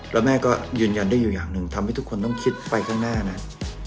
แล้วแม่ก็ยืนยันได้อยู่อย่างหนึ่งทำให้ทุกคนต้องคิดไปข้างหน้านะ